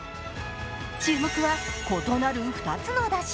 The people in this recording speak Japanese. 注目は、異なる２つのだし。